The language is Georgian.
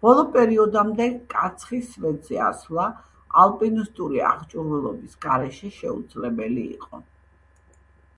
ბოლო პერიოდამდე კაცხის სვეტზე ასვლა, ალპინისტური აღჭურვილობის გარეშე, შეუძლებელი იყო.